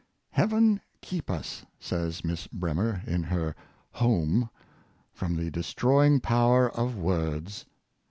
" Heaven keep us," says Miss Bremer, in her '^ Home," from the destroying power of words!